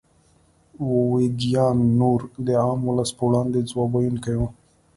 ویګیان نور د عام ولس په وړاندې ځواب ویونکي وو.